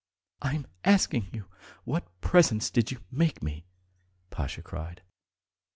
..." "I am asking you, what presents did you make me?" Pasha cried.